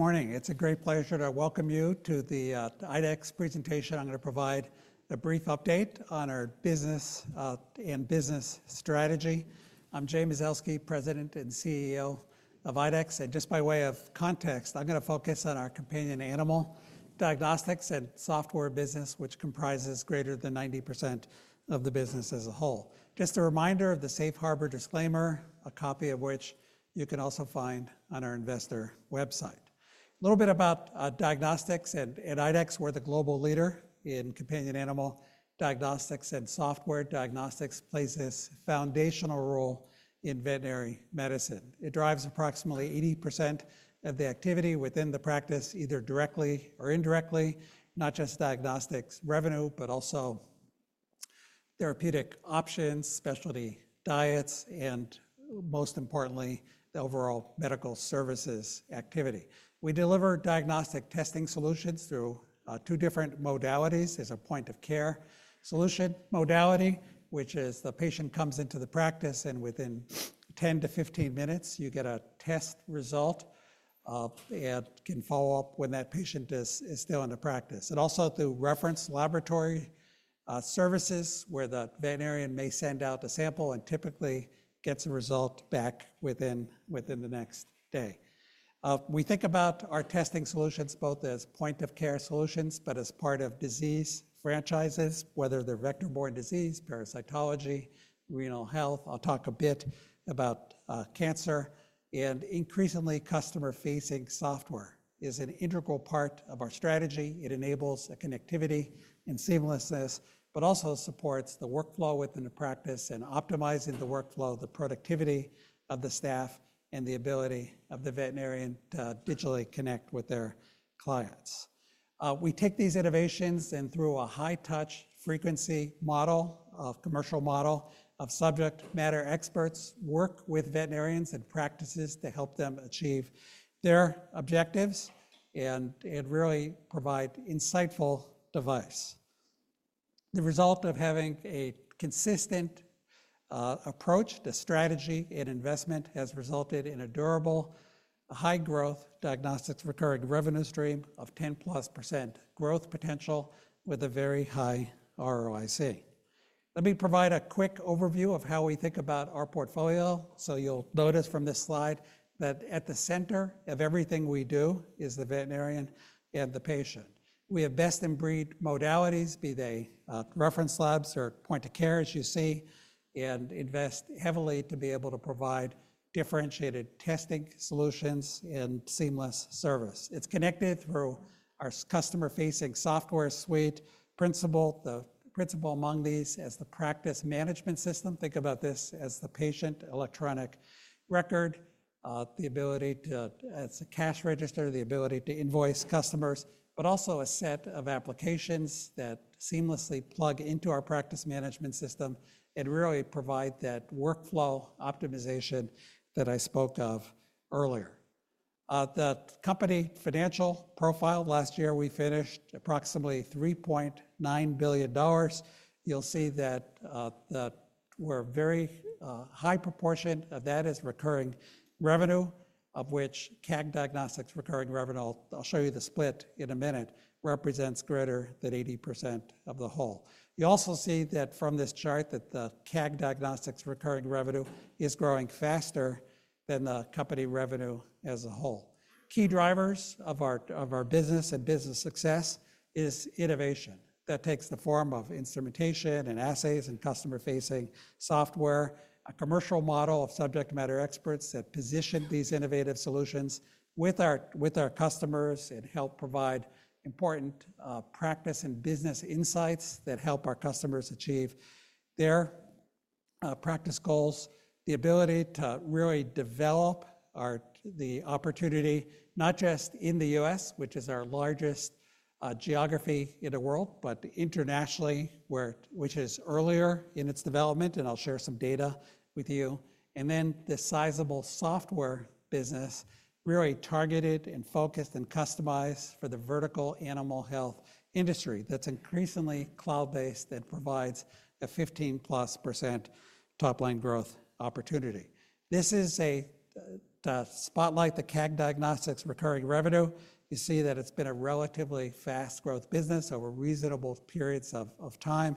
Morning. It's a great pleasure to welcome you to the IDEXX presentation. I'm going to provide a brief update on our business and business strategy. I'm Jay Mazelsky, President and CEO of IDEXX. Just by way of context, I'm going to focus on our companion animal, diagnostics and software business, which comprises greater than 90% of the business as a whole. Just a reminder of the Safe Harbor disclaimer, a copy of which you can also find on our investor website. A little bit about diagnostics and IDEXX, we're the global leader in companion animal diagnostics and software. Diagnostics plays this foundational role in veterinary medicine. It drives approximately 80% of the activity within the practice, either directly or indirectly, not just diagnostics revenue, but also therapeutic options, specialty diets, and most importantly, the overall medical services activity. We deliver diagnostic testing solutions through two different modalities. There's a point-of-care solution modality, which is the patient comes into the practice, and within 10 to 15 minutes, you get a test result and can follow up when that patient is still in the practice, and also through reference laboratory services, where the veterinarian may send out a sample and typically gets a result back within the next day. We think about our testing solutions both as point-of-care solutions, but as part of disease franchises, whether they're vector-borne disease, parasitology, renal health. I'll talk a bit about cancer, and increasingly, customer-facing software is an integral part of our strategy. It enables connectivity and seamlessness, but also supports the workflow within the practice and optimizing the workflow, the productivity of the staff, and the ability of the veterinarian to digitally connect with their clients. We take these innovations and through a high-touch frequency model, a commercial model of subject matter experts work with veterinarians and practices to help them achieve their objectives and really provide insightful advice. The result of having a consistent approach to strategy and investment has resulted in a durable, high-growth diagnostics recurring revenue stream of 10+% growth potential with a very high ROIC. Let me provide a quick overview of how we think about our portfolio. So you'll notice from this slide that at the center of everything we do is the veterinarian and the patient. We have best-in-breed modalities, be they reference labs or point-of-care, as you see, and invest heavily to be able to provide differentiated testing solutions and seamless service. It's connected through our customer-facing software suite, the principal among these as the practice management system. Think about this as the patient electronic record, the ability to, as a cash register, the ability to invoice customers, but also a set of applications that seamlessly plug into our practice management system and really provide that workflow optimization that I spoke of earlier. The company financial profile. Last year we finished approximately $3.9 billion. You'll see that we're a very high proportion of that is recurring revenue, of which CAG Diagnostics recurring revenue, I'll show you the split in a minute, represents greater than 80% of the whole. You also see that from this chart that the CAG Diagnostics recurring revenue is growing faster than the company revenue as a whole. Key drivers of our business and business success is innovation. That takes the form of instrumentation and assays and customer-facing software, a commercial model of subject matter experts that position these innovative solutions with our customers and help provide important practice and business insights that help our customers achieve their practice goals, the ability to really develop the opportunity, not just in the U.S., which is our largest geography in the world, but internationally, which is earlier in its development. And I'll share some data with you. And then the sizable software business, really targeted and focused and customized for the vertical animal health industry that's increasingly cloud-based and provides a 15+% top-line growth opportunity. This is a spotlight, the CAG Diagnostics recurring revenue. You see that it's been a relatively fast growth business over reasonable periods of time,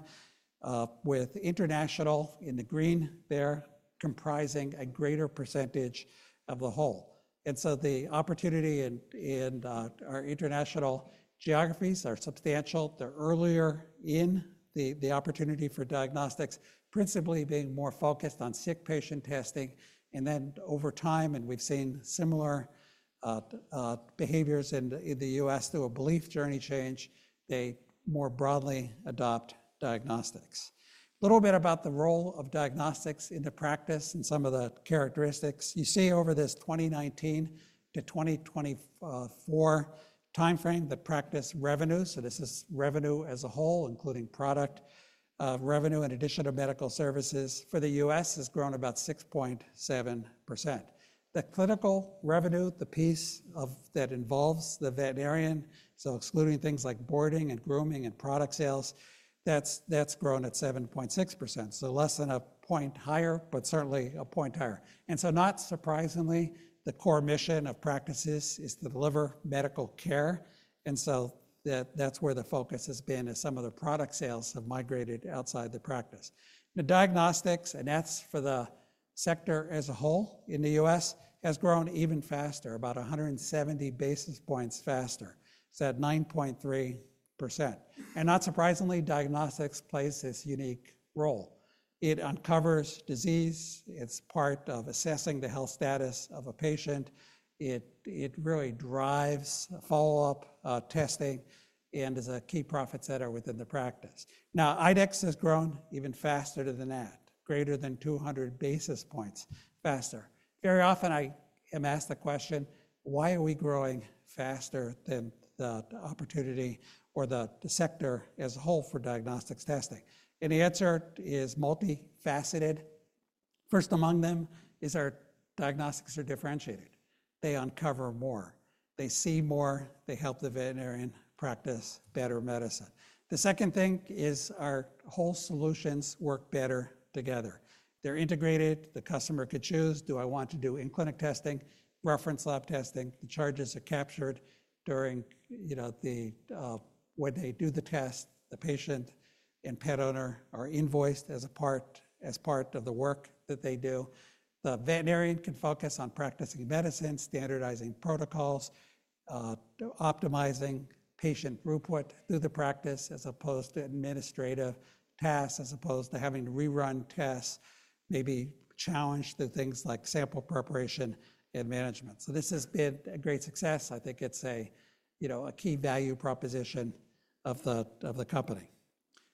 with international in the green there comprising a greater percentage of the whole. And so the opportunity in our international geographies are substantial. They're earlier in the opportunity for diagnostics, principally being more focused on sick patient testing. And then over time, and we've seen similar behaviors in the U.S. through a belief journey change, they more broadly adopt diagnostics. A little bit about the role of diagnostics in the practice and some of the characteristics. You see over this 2019-2024 timeframe, the practice revenue, so this is revenue as a whole, including product revenue in addition to medical services for the U.S. has grown about 6.7%. The clinical revenue, the piece that involves the veterinarian, so excluding things like boarding and grooming and product sales, that's grown at 7.6%. So less than a point higher, but certainly a point higher. And so not surprisingly, the core mission of practices is to deliver medical care. That's where the focus has been as some of the product sales have migrated outside the practice. The diagnostics, and that's for the sector as a whole in the U.S., has grown even faster, about 170 basis points faster. It's at 9.3%. Not surprisingly, diagnostics plays this unique role. It uncovers disease. It's part of assessing the health status of a patient. It really drives follow-up testing and is a key profit center within the practice. Now, IDEXX has grown even faster than that, greater than 200 basis points faster. Very often I am asked the question, why are we growing faster than the opportunity or the sector as a whole for diagnostics testing? The answer is multifaceted. First among them is our diagnostics are differentiated. They uncover more. They see more. They help the veterinarian practice better medicine. The second thing is our whole solutions work better together. They're integrated. The customer could choose, do I want to do in-clinic testing, reference lab testing. The charges are captured during when they do the test, the patient and pet owner are invoiced as part of the work that they do. The veterinarian can focus on practicing medicine, standardizing protocols, optimizing patient throughput through the practice as opposed to administrative tasks, as opposed to having to rerun tests, maybe challenge the things like sample preparation and management. So this has been a great success. I think it's a key value proposition of the company.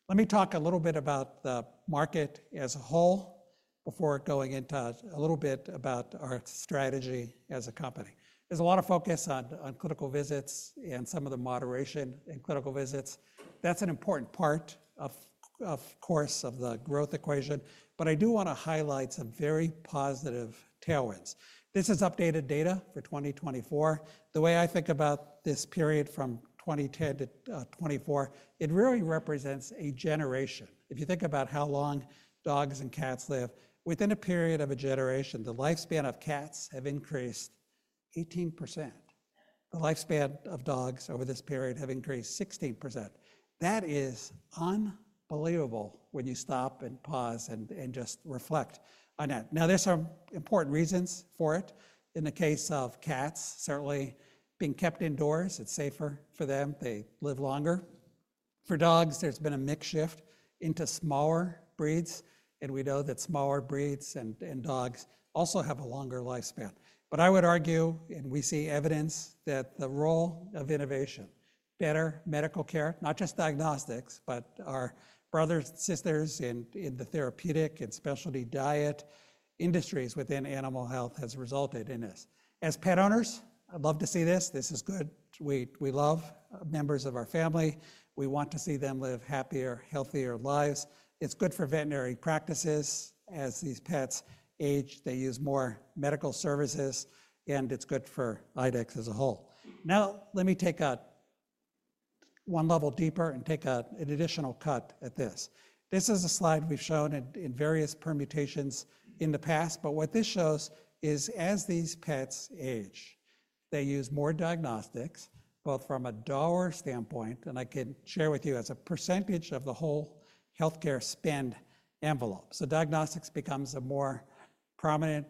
Let me talk a little bit about the market as a whole before going into a little bit about our strategy as a company. There's a lot of focus on clinical visits and some of the moderation in clinical visits. That's an important part, of course, of the growth equation. But I do want to highlight some very positive tailwinds. This is updated data for 2024. The way I think about this period from 2010 to 2024, it really represents a generation. If you think about how long dogs and cats live, within a period of a generation, the lifespan of cats has increased 18%. The lifespan of dogs over this period has increased 16%. That is unbelievable when you stop and pause and just reflect on that. Now, there are some important reasons for it. In the case of cats, certainly being kept indoors, it's safer for them. They live longer. For dogs, there's been a shift into smaller breeds. And we know that smaller breeds of dogs also have a longer lifespan. But I would argue, and we see evidence that the role of innovation, better medical care, not just diagnostics, but our brothers and sisters in the therapeutic and specialty diet industries within animal health has resulted in this. As pet owners, I'd love to see this. This is good. We love members of our family. We want to see them live happier, healthier lives. It's good for veterinary practices. As these pets age, they use more medical services, and it's good for IDEXX as a whole. Now, let me take one level deeper and take an additional cut at this. This is a slide we've shown in various permutations in the past. But what this shows is as these pets age, they use more diagnostics, both from a dollar standpoint, and I can share with you as a percentage of the whole healthcare spend envelope. So diagnostics becomes a more prominent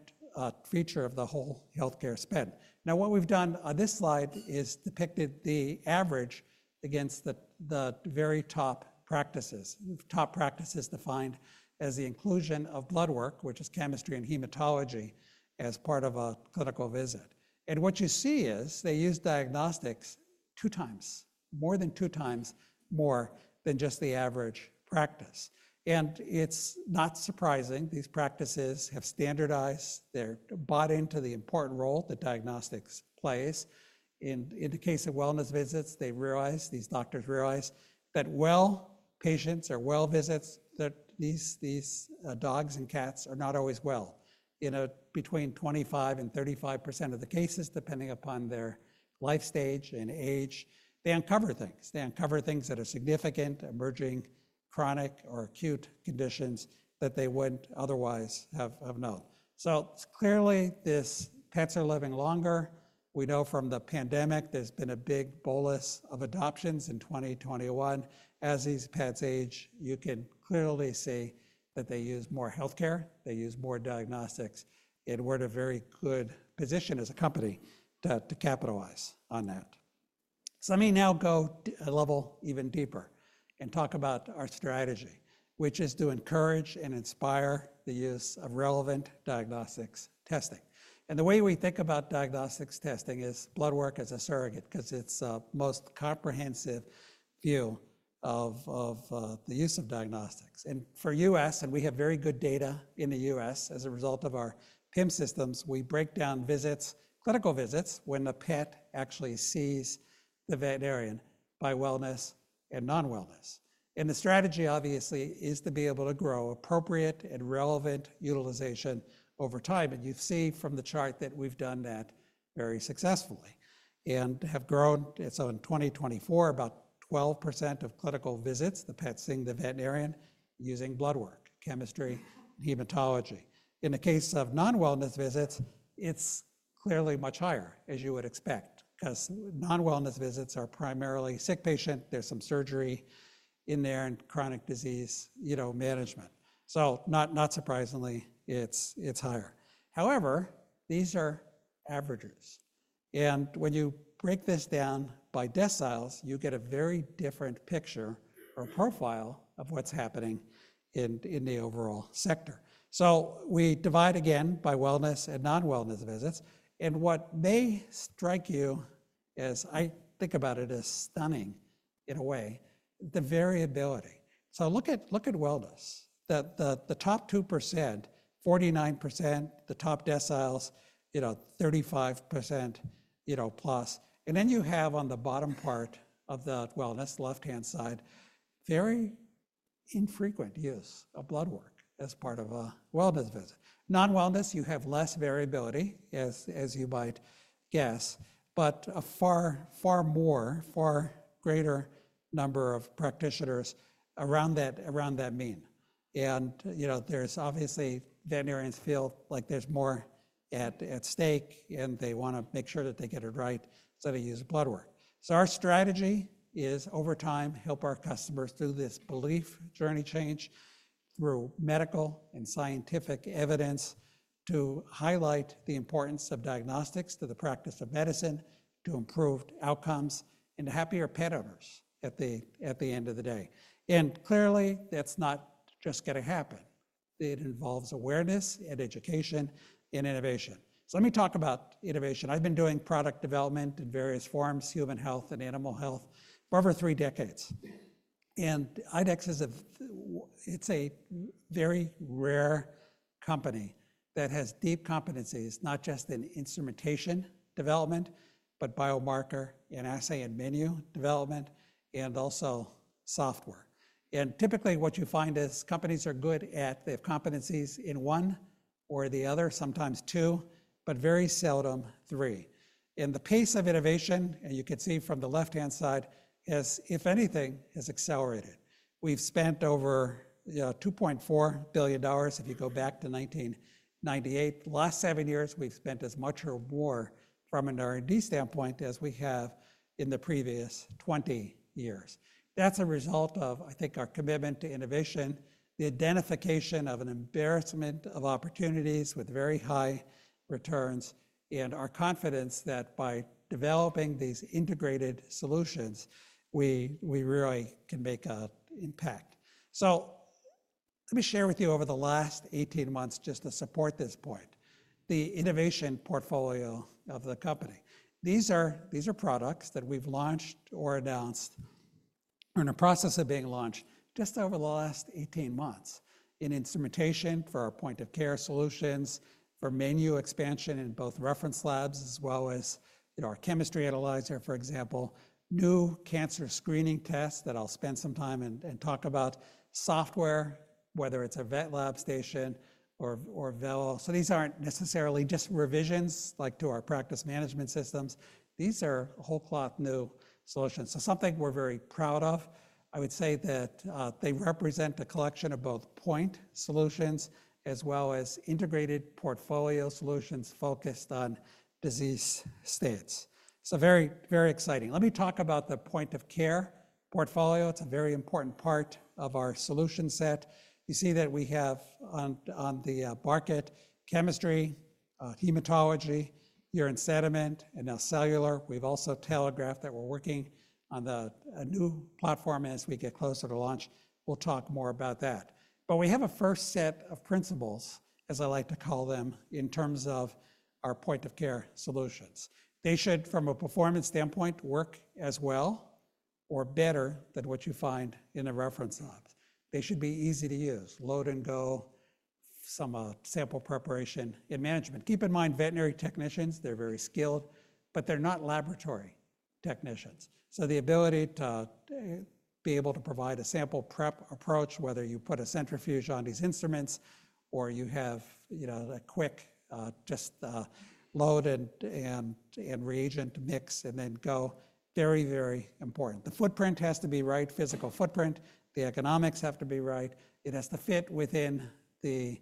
feature of the whole healthcare spend. Now, what we've done on this slide is depicted the average against the very top practices. Top practices defined as the inclusion of blood work, which is chemistry and hematology as part of a clinical visit. And what you see is they use diagnostics two times, more than two times more than just the average practice. And it's not surprising. These practices have standardized. They're bought into the important role that diagnostics plays. In the case of wellness visits, they realize, these doctors realize that well patients or well visits, that these dogs and cats are not always well. In between 25% and 35% of the cases, depending upon their life stage and age, they uncover things. They uncover things that are significant, emerging, chronic or acute conditions that they wouldn't otherwise have known. So clearly, these pets are living longer. We know from the pandemic, there's been a big bolus of adoptions in 2021. As these pets age, you can clearly see that they use more healthcare. They use more diagnostics. And we're in a very good position as a company to capitalize on that. So let me now go a level even deeper and talk about our strategy, which is to encourage and inspire the use of relevant diagnostics testing. And the way we think about diagnostics testing is blood work as a surrogate because it's the most comprehensive view of the use of diagnostics. And for the U.S., we have very good data in the U.S. as a result of our PIM systems. We break down visits, clinical visits when a pet actually sees the veterinarian by wellness and non-wellness. The strategy obviously is to be able to grow appropriate and relevant utilization over time. You see from the chart that we've done that very successfully and have grown. In 2024, about 12% of clinical visits, the pets seeing the veterinarian using blood work, chemistry, hematology. In the case of non-wellness visits, it's clearly much higher, as you would expect, because non-wellness visits are primarily sick patient. There's some surgery in there and chronic disease management. Not surprisingly, it's higher. However, these are averages. When you break this down by deciles, you get a very different picture or profile of what's happening in the overall sector. We divide again by wellness and non-wellness visits. What may strike you as, I think about it as stunning in a way, the variability. Look at wellness. The top 2%, 49%, the top deciles, 35%+. And then you have on the bottom part of the wellness, the left-hand side, very infrequent use of blood work as part of a wellness visit. Non-wellness, you have less variability, as you might guess, but a far more, far greater number of practitioners around that mean. And there's obviously veterinarians feel like there's more at stake, and they want to make sure that they get it right instead of using blood work. So our strategy is over time, help our customers through this belief journey change through medical and scientific evidence to highlight the importance of diagnostics to the practice of medicine to improved outcomes and happier pet owners at the end of the day. And clearly, that's not just going to happen. It involves awareness and education and innovation. So let me talk about innovation. I've been doing product development in various forms, human health and animal health for over three decades. And IDEXX is a very rare company that has deep competencies, not just in instrumentation development, but biomarker and assay and menu development, and also software. And typically what you find is companies are good at they have competencies in one or the other, sometimes two, but very seldom three. And the pace of innovation, and you can see from the left-hand side, has, if anything, accelerated. We've spent over $2.4 billion if you go back to 1998. The last seven years, we've spent as much or more from an R&D standpoint as we have in the previous 20 years. That's a result of, I think, our commitment to innovation, the identification of an embarrassment of opportunities with very high returns, and our confidence that by developing these integrated solutions, we really can make an impact. So let me share with you over the last 18 months, just to support this point, the innovation portfolio of the company. These are products that we've launched or announced or in the process of being launched just over the last 18 months in instrumentation for our point-of-care solutions, for menu expansion in both reference labs, as well as our chemistry analyzer, for example, new cancer screening tests that I'll spend some time and talk about, software, whether it's a VetLab Station or Vello. So these aren't necessarily just revisions like to our practice management systems. These are whole cloth new solutions. So something we're very proud of. I would say that they represent a collection of both point solutions as well as integrated portfolio solutions focused on disease states. So very, very exciting. Let me talk about the point-of-care portfolio. It's a very important part of our solution set. You see that we have on the market chemistry, hematology, urine sediment, and now cellular. We've also telegraphed that we're working on a new platform as we get closer to launch. We'll talk more about that. But we have a first set of principles, as I like to call them, in terms of our point-of-care solutions. They should, from a performance standpoint, work as well or better than what you find in the reference labs. They should be easy to use, load and go, some sample preparation and management. Keep in mind, veterinary technicians, they're very skilled, but they're not laboratory technicians. The ability to be able to provide a sample prep approach, whether you put a centrifuge on these instruments or you have a quick just load and reagent mix and then go, very, very important. The footprint has to be right, physical footprint. The economics have to be right. It has to fit within the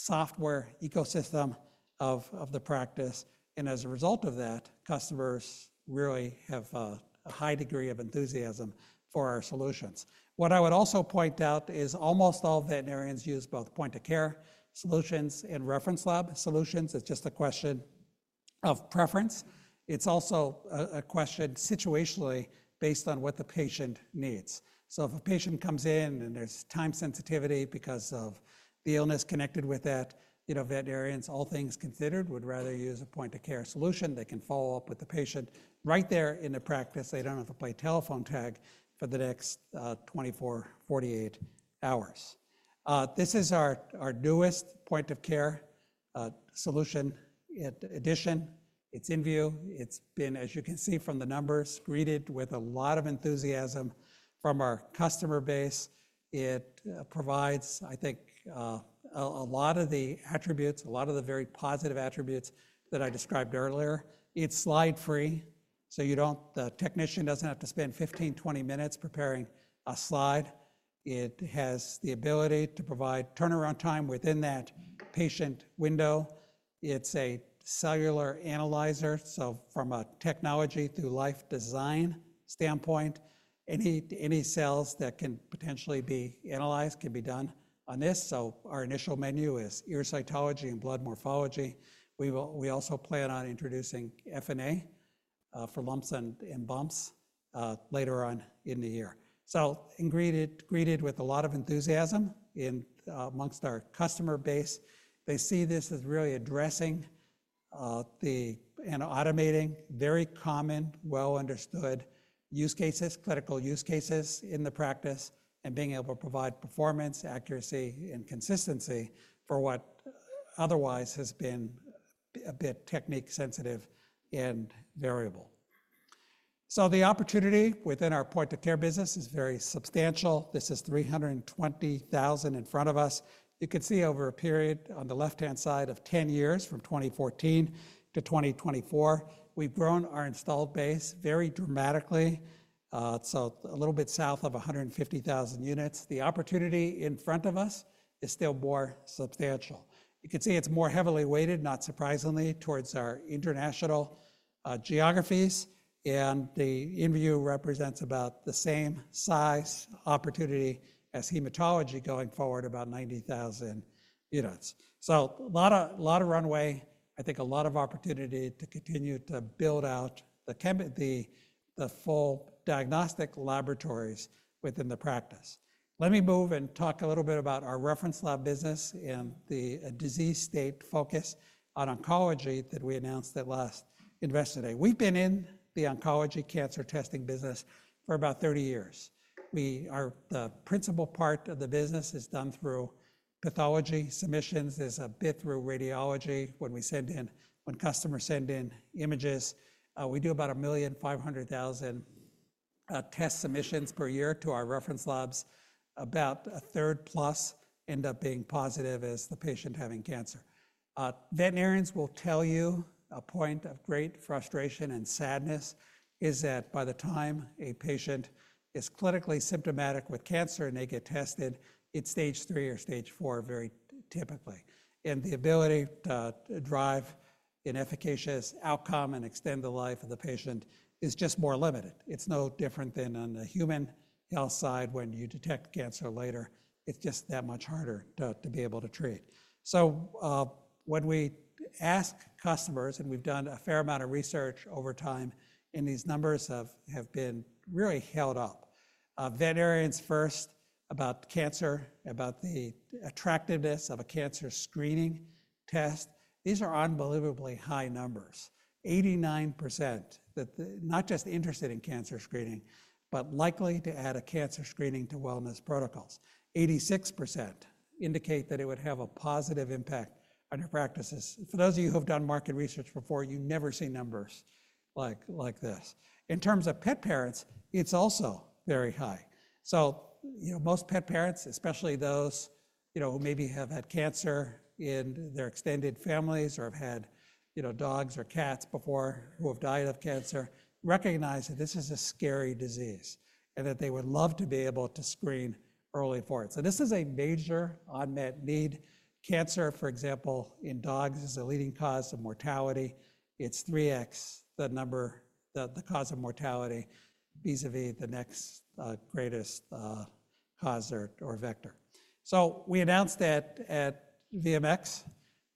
software ecosystem of the practice. As a result of that, customers really have a high degree of enthusiasm for our solutions. What I would also point out is almost all veterinarians use both point-of-care solutions and reference lab solutions. It's just a question of preference. It's also a question situationally based on what the patient needs. If a patient comes in and there's time sensitivity because of the illness connected with that, veterinarians, all things considered, would rather use a point-of-care solution. They can follow up with the patient right there in the practice. They don't have to play telephone tag for the next 24, 48 hours. This is our newest point-of-care solution addition. It's inVue. It's been, as you can see from the numbers, greeted with a lot of enthusiasm from our customer base. It provides, I think, a lot of the attributes, a lot of the very positive attributes that I described earlier. It's slide-free, so the technician doesn't have to spend 15, 20 minutes preparing a slide. It has the ability to provide turnaround time within that patient window. It's a cellular analyzer. So from a Technology through life design standpoint, any cells that can potentially be analyzed can be done on this. So our initial menu is ear cytology and blood morphology. We also plan on introducing FNA for lumps and bumps later on in the year. So greeted with a lot of enthusiasm among our customer base. They see this as really addressing and automating very common, well-understood use cases, clinical use cases in the practice, and being able to provide performance, accuracy, and consistency for what otherwise has been a bit technique-sensitive and variable. So the opportunity within our point-of-care business is very substantial. This is 320,000 in front of us. You can see over a period on the left-hand side of 10 years from 2014 to 2024, we've grown our installed base very dramatically. So a little bit south of 150,000 units. The opportunity in front of us is still more substantial. You can see it's more heavily weighted, not surprisingly, towards our international geographies. The inVue represents about the same size opportunity as hematology going forward, about 90,000 units. A lot of runway. I think a lot of opportunity to continue to build out the full diagnostic laboratories within the practice. Let me move and talk a little bit about our reference lab business and the disease state focus on oncology that we announced at last investment day. We've been in the oncology cancer testing business for about 30 years. The principal part of the business is done through pathology. Submissions is a bit through radiology when customers send in images. We do about 1.5 million test submissions per year to our reference labs. About a 1/3+ end up being positive as the patient having cancer. Veterinarians will tell you a point of great frustration and sadness is that by the time a patient is clinically symptomatic with cancer and they get tested, it's stage three or stage four very typically, and the ability to drive an efficacious outcome and extend the life of the patient is just more limited. It's no different than on the human health side when you detect cancer later. It's just that much harder to be able to treat, so when we ask customers, and we've done a fair amount of research over time, and these numbers have been really held up, veterinarians first about cancer, about the attractiveness of a cancer screening test. These are unbelievably high numbers. 89% that not just interested in cancer screening, but likely to add a cancer screening to wellness protocols. 86% indicate that it would have a positive impact on your practices. For those of you who have done market research before, you never see numbers like this. In terms of pet parents, it's also very high. So most pet parents, especially those who maybe have had cancer in their extended families or have had dogs or cats before who have died of cancer, recognize that this is a scary disease and that they would love to be able to screen early for it. So this is a major unmet need. Cancer, for example, in dogs is a leading cause of mortality. It's 3× the number, the cause of mortality vis-à-vis the next greatest cause or vector. So we announced that at VMX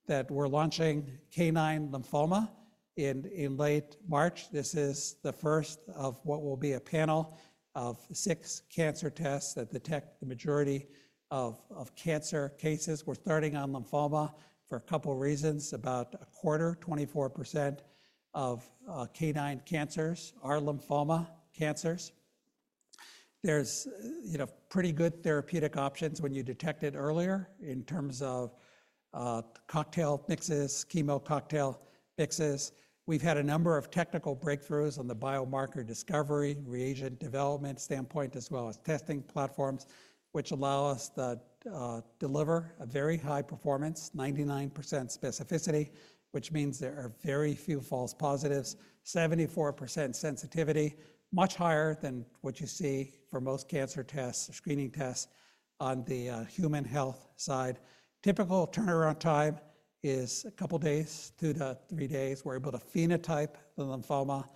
that we're launching canine lymphoma in late March. This is the first of what will be a panel of six cancer tests that detect the majority of cancer cases. We're starting on lymphoma for a couple of reasons. About a quarter, 24% of canine cancers are lymphoma cancers. There's pretty good therapeutic options when you detect it earlier in terms of cocktail mixes, chemo cocktail mixes. We've had a number of technical breakthroughs on the biomarker discovery, reagent development standpoint, as well as testing platforms, which allow us to deliver a very high performance, 99% specificity, which means there are very few false positives, 74% sensitivity, much higher than what you see for most cancer tests, screening tests on the human health side. Typical turnaround time is a couple of days, two to three days. We're able to phenotype the lymphoma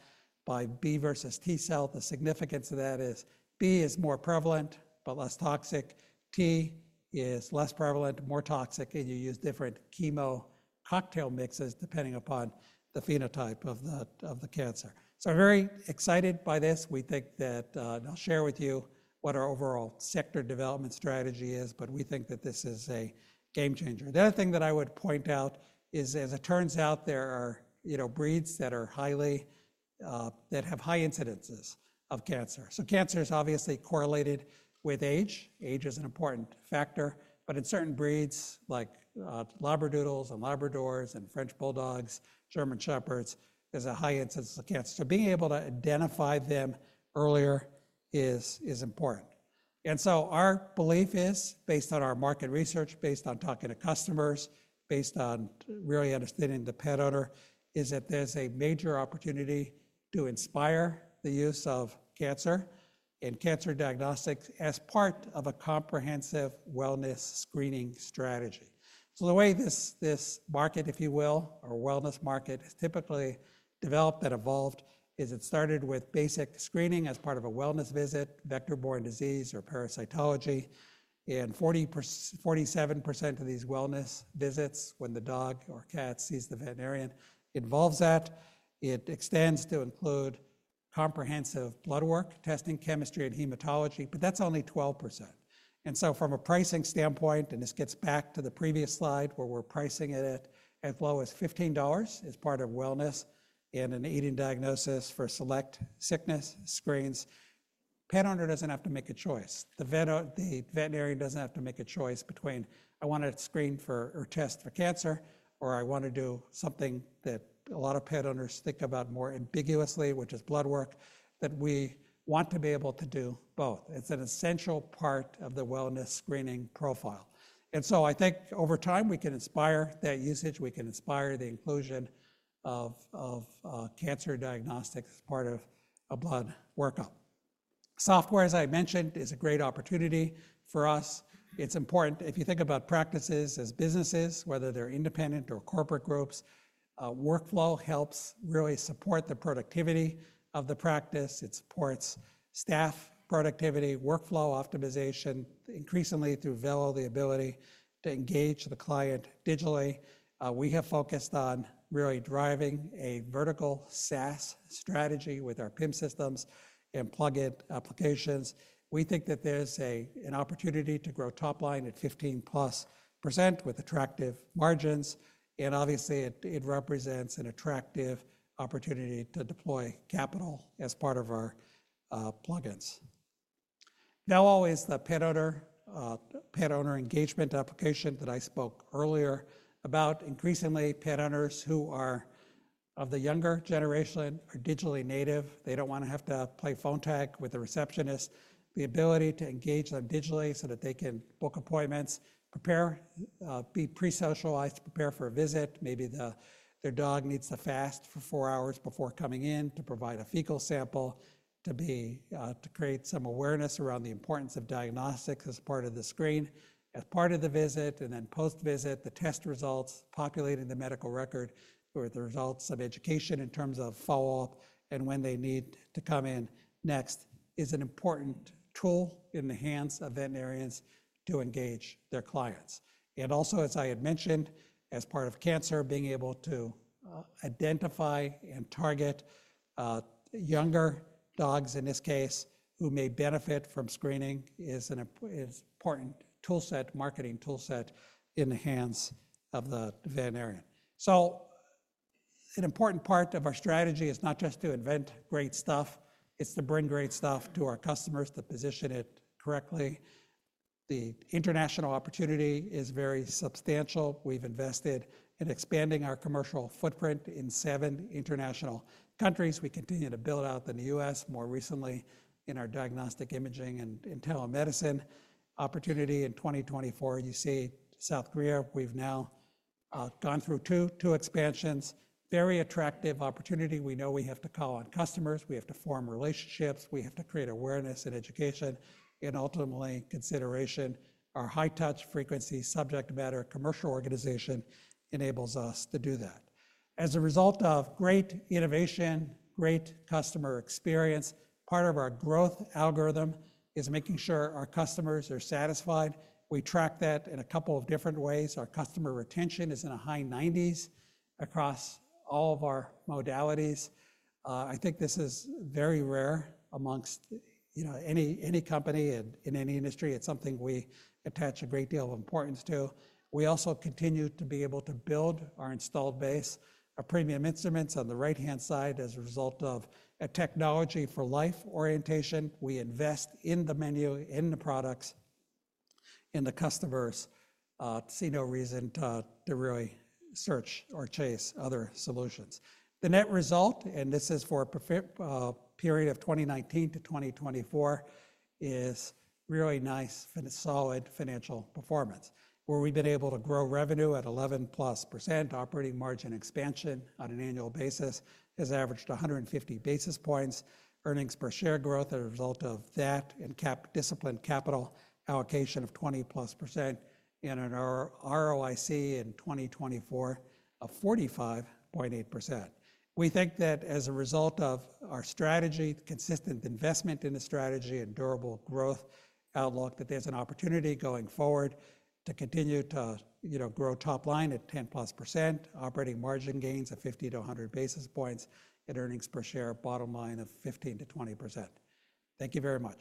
by B-cell versus T-cell. The significance of that is B is more prevalent, but less toxic. T is less prevalent, more toxic, and you use different chemo cocktail mixes depending upon the phenotype of the cancer. So very excited by this. We think that I'll share with you what our overall sector development strategy is, but we think that this is a game changer. The other thing that I would point out is, as it turns out, there are breeds that have high incidences of cancer. So cancer is obviously correlated with age. Age is an important factor, but in certain breeds like Labradoodles and Labradors, and French Bulldogs, German Shepherds, there's a high incidence of cancer. So being able to identify them earlier is important. And so our belief is, based on our market research, based on talking to customers, based on really understanding the pet owner, is that there's a major opportunity to inspire the use of cancer and cancer diagnostics as part of a comprehensive wellness screening strategy. So the way this market, if you will, or wellness market has typically developed and evolved is it started with basic screening as part of a wellness visit, vector-borne disease or parasitology. And 47% of these wellness visits, when the dog or cat sees the veterinarian, involves that. It extends to include comprehensive blood work, testing, chemistry, and hematology, but that's only 12%. And so from a pricing standpoint, and this gets back to the previous slide where we're pricing it at as low as $15 as part of wellness and an in-clinic diagnosis for select sickness screens, pet owner doesn't have to make a choice. The veterinarian doesn't have to make a choice between, I want to screen for or test for cancer, or, I want to do something that a lot of pet owners think about more ambiguously, which is blood work, that we want to be able to do both. It's an essential part of the wellness screening profile. And so I think over time, we can inspire that usage. We can inspire the inclusion of cancer diagnostics as part of a blood workup. Software, as I mentioned, is a great opportunity for us. It's important. If you think about practices as businesses, whether they're independent or corporate groups, workflow helps really support the productivity of the practice. It supports staff productivity, workflow optimization, increasingly through Vello, the ability to engage the client digitally. We have focused on really driving a vertical SaaS strategy with our PIM systems and plug-in applications. We think that there's an opportunity to grow top line at 15%+ with attractive margins. And obviously, it represents an attractive opportunity to deploy capital as part of our plug-ins. Now, always the pet owner engagement application that I spoke earlier about. Increasingly, pet owners who are of the younger generation are digitally native. They don't want to have to play phone tag with the receptionist. The ability to engage them digitally so that they can book appointments, prepare, be pre-socialized, prepare for a visit. Maybe their dog needs to fast for four hours before coming in to provide a fecal sample to create some awareness around the importance of diagnostics as part of the screen, as part of the visit. And then post-visit, the test results, populating the medical record with the results of education in terms of follow-up and when they need to come in next, is an important tool in the hands of veterinarians to engage their clients. And also, as I had mentioned, as part of cancer, being able to identify and target younger dogs in this case who may benefit from screening is an important toolset, marketing toolset in the hands of the veterinarian. So an important part of our strategy is not just to invent great stuff. It's to bring great stuff to our customers, to position it correctly. The international opportunity is very substantial. We've invested in expanding our commercial footprint in seven international countries. We continue to build out in the U.S. more recently in our diagnostic imaging and telemedicine opportunity. In 2024, you see South Korea. We've now gone through two expansions. Very attractive opportunity. We know we have to call on customers. We have to form relationships. We have to create awareness and education. And ultimately, consideration our high-touch frequency subject matter commercial organization enables us to do that. As a result of great innovation, great customer experience, part of our growth algorithm is making sure our customers are satisfied. We track that in a couple of different ways. Our customer retention is in the high 90s across all of our modalities. I think this is very rare among any company in any industry. It's something we attach a great deal of importance to. We also continue to be able to build our installed base. Our premium instruments on the right-hand side as a result of a technology for life orientation. We invest in the menu, in the products, in the customers to see no reason to really search or chase other solutions. The net result, and this is for a period of 2019 to 2024, is really nice solid financial performance where we've been able to grow revenue at 11%+. Operating margin expansion on an annual basis has averaged 150 basis points. Earnings per share growth as a result of that and disciplined capital allocation of 20%+ and an ROIC in 2024 of 45.8%. We think that as a result of our strategy, consistent investment in the strategy, and durable growth outlook, that there's an opportunity going forward to continue to grow top line at 10%+, operating margin gains of 50-100 basis points, and earnings per share bottom line of 15%-20%. Thank you very much.